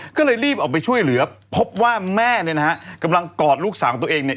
ก็เลยรีบออกไปช่วยเหลือพบว่าแม่เนี่ยนะฮะกำลังกอดลูกสาวของตัวเองเนี่ย